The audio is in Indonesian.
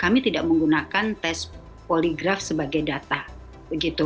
kami tidak menggunakan tes poligraf sebagai data begitu